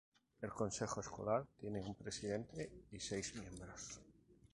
El consejo escolar tiene un presidente y seis miembros.